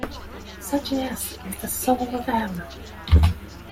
Such an "S" is called the soul of "M".